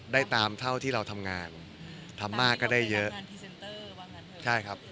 ได้ตามเท่าที่เราทำงานทำมากก็ได้เยอะทำงานใช่ครับ